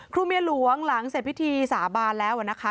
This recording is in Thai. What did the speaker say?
เมียหลวงหลังเสร็จพิธีสาบานแล้วนะคะ